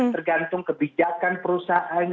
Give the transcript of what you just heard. tergantung kebijakan perusahaan